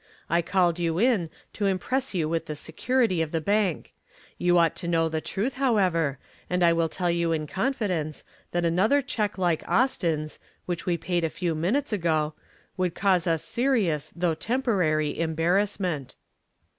I called you in to impress you with the security of the bank. You ought to know the truth, however, and I will tell you in confidence that another check like Austin's, which we paid a few minutes ago, would cause us serious, though temporary, embarrassment."